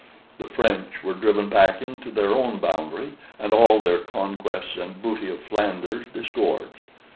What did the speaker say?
The French were driven back into their own boundary, and all their conquests and booty of Flanders disgorged.